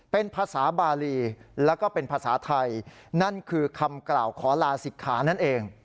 เป็นภาษาบาลีแล้วก็เป็นภาษาไทยนั่นคือคำกล่าวขอลาศิกขานั่นเอง